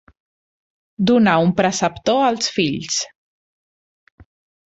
Donar un preceptor als fills.